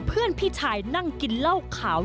เพื่อนพี่ชายนั่งกินเหล้าขาว